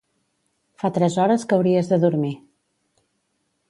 Fa tres hores que hauries de dormir.